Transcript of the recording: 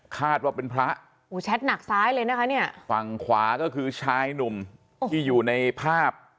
คาดว่าเป็นพระโอ้โหแชทหนักซ้ายเลยนะคะเนี่ยฝั่งขวาก็คือชายหนุ่มที่อยู่ในภาพ